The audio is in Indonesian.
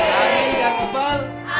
amin ya kepal